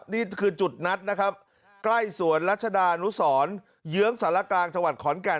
นี่คือจุดนัดนะครับใกล้สวนรัชดานุสรเยื้องสารกลางจังหวัดขอนแก่น